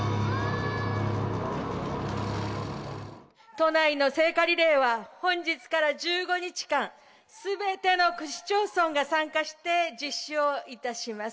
都内の聖火リレーは本日から１５日間、すべての区市町村が参加して実施をいたします。